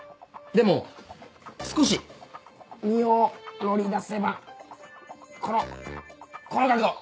でも少し身を乗り出せばこのこの角度！